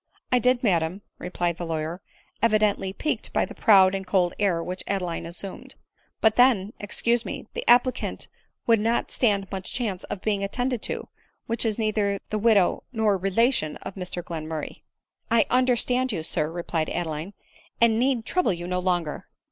" I did, madam," replied the lawyer, evidently piqued by the proud and cold air which Adeline assumed ;" but then ^ excuse me — the applicant would not stand much chance of being attended to, who is neither the' widow nor relation of Mr Glenmurray." " I understand you, sir," replied Adeline, " and need trouble you no longer."